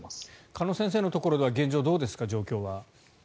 鹿野先生のところでは現状はどうですか？